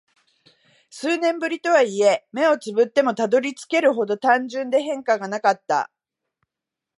数年ぶりとはいえ、目を瞑ってもたどり着けるほど単純で変化がなかった。